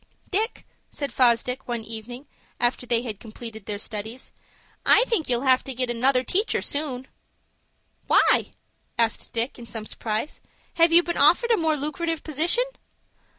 "Dick," said Fosdick, one evening, after they had completed their studies, "I think you'll have to get another teacher soon." "Why?" asked Dick, in some surprise. "Have you been offered a more loocrative position?"